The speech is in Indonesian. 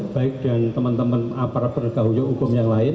baik dengan teman teman pergahuyuk hukum yang lain